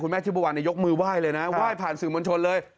คุณแม่ทิพพวันยกมือไหว้เลยนะไหว้ผ่านสื่อมนต์ชนเลย